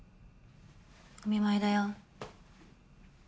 お見舞いだよ。